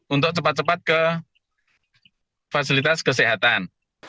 untuk cepat cepat ke fasilitas kesehatan